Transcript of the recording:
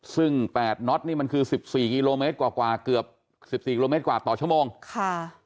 ซึ่งแปดน็อตนี่มันคือสิบสี่กิโลเมตรกว่ากว่าเกือบสิบสี่กิโลเมตรกว่าต่อชั่วโมงค่ะ